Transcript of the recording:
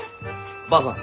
ばあさん